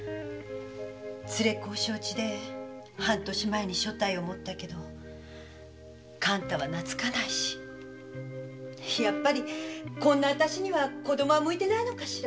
連れ子を承知で半年前に所帯をもったけど勘太はなつかないしやっぱりこんなあたしには子供は向いてないのかしら。